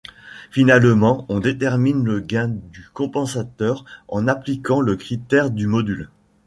Finalement, on détermine le gain du compensateur en appliquant le critère du module.